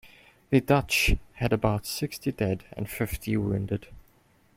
The Dutch had about sixty dead and fifty wounded.